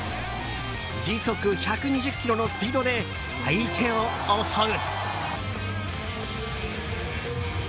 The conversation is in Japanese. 時速１２０キロのスピードで相手を襲う。